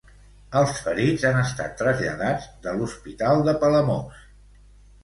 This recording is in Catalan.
Els ferits han estat traslladats de l'Hospital de Palamós.